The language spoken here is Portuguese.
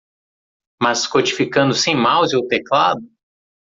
Mas codificando sem mouse ou teclado?